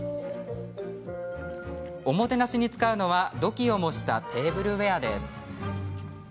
おもてなしに使うのは土器を模したテーブルウエアです。